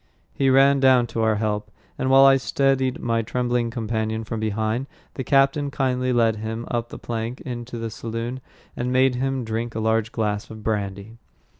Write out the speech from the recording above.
He ran down to our help, and while I steadied my trembling companion from behind, the captain kindly led him up the plank into the saloon, and made him drink a large glass of brandy.